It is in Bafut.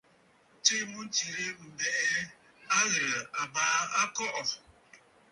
Ǹjì yì ɨ jɛrɨkə.